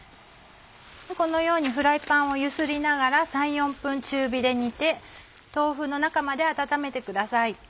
このようにフライパンを揺すりながら３４分中火で煮て豆腐の中まで温めてください。